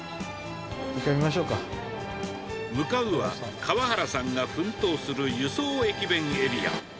１回、向かうは、河原さんが奮闘する輸送駅弁エリア。